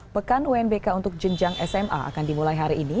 pekan unbk untuk jenjang sma akan dimulai hari ini